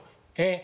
「え？